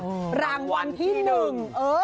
ดรามวันที่หนึ่ง